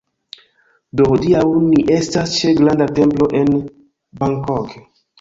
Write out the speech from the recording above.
Do hodiaŭ ni estas ĉe granda templo en Bangkok